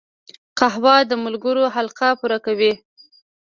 قهوه د ملګرو حلقه پوره کوي